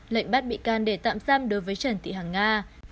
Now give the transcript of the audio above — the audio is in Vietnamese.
lệnh bắt bị can để tạm giam đối với trần thị hàng nga